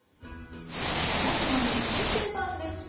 脱マンネリ新定番レシピ